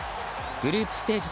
グループステージ